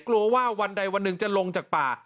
กลัวว่าวันใดวันหนึ่งจะลงจากป่า